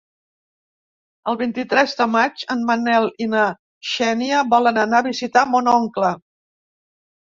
El vint-i-tres de maig en Manel i na Xènia volen anar a visitar mon oncle.